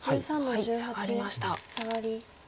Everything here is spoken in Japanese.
サガりました。